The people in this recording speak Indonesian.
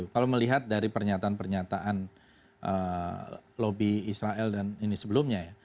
kalau melihat dari pernyataan pernyataan lobby israel dan ini sebelumnya ya